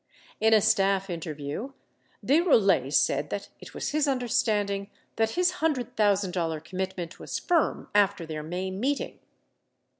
502 In a staff interview, De Roulet said that it was his understanding that his $100,000 commitment was firm after their May meeting.